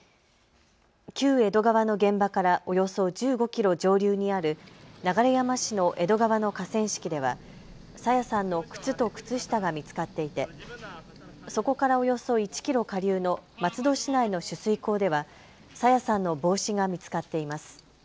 旧江戸川の現場からおよそ１５キロ上流にある流山市の江戸川の河川敷では朝芽さんの靴と靴下が見つかっていて、そこからおよそ１キロ下流の松戸市内の取水口では朝芽さんの帽子が見つかっています。